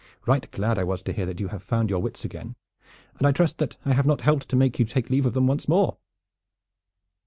"Right glad I was to hear that you had found your wits again, and I trust that I have not helped to make you take leave of them once more."